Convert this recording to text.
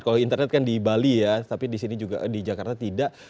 kalau internet kan di bali ya tapi di sini juga di jakarta tidak